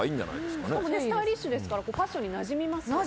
しかもスタイリッシュですからファッションになじみますよね。